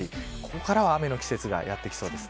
ここからは雨の季節がやってきそうです。